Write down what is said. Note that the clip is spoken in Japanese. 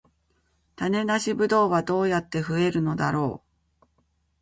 種なしブドウはどうやって増えるのだろう